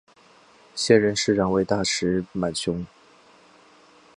现任市长为大石满雄。